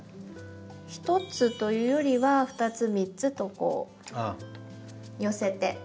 １つというよりは２つ３つとこう寄せて。